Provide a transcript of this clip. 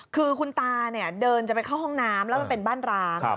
คือคุณตาเนี่ยเดินจะไปเข้าห้องน้ำแล้วมันเป็นบ้านร้าง